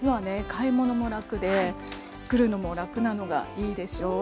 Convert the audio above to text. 買い物も楽で作るのも楽なのがいいでしょう？